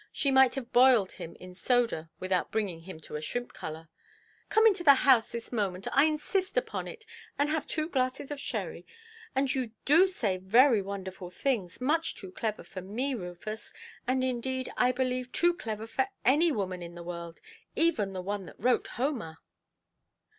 She might have boiled him in soda without bringing him to a shrimp–colour.—"Come into the house this moment, I insist upon it, and have two glasses of sherry. And you do say very wonderful things, much too clever for me, Rufus; and indeed, I believe, too clever for any woman in the world, even the one that wrote Homer".